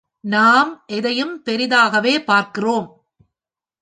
நாம் எதையும் பெரிதாகவே பார்க்கிறோம்.